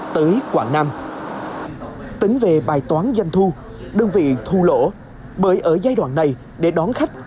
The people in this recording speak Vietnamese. tới quảng nam tính về bài toán doanh thu đơn vị thu lỗ bởi ở giai đoạn này để đón khách